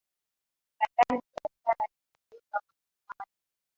mabandari ya biashara ya kimataifa kwenye pwani